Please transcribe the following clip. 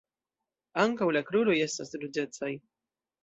Ankaŭ la kruroj estas ruĝecaj.